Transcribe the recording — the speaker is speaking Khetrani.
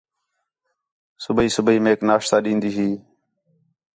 صبیح صبیح میک ناشتہ ݙین٘دی ہی